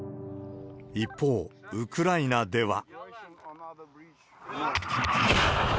一方、ウクライナでは。